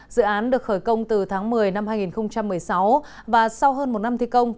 dự án được khởi công từ tháng một mươi năm hai nghìn một mươi sáu và sau hơn một năm thi công